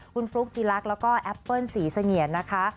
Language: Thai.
คุณฟลุ๊กจีลักษณ์แล้วก็แอปเปิ้ลศรีเสงี่ยนนะคะ